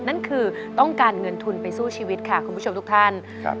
นั่นคือต้องการเงินทุนไปสู้ชีวิตค่ะคุณผู้ชมทุกท่านครับ